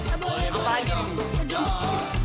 apa lagi dut